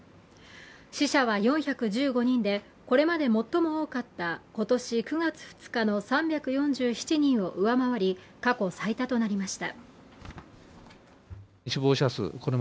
死者は４１５人でこれまで最も多かった今年９月２日の３４７人を上回り、過去最多となりました。